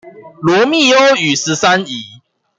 羅密歐與十三姨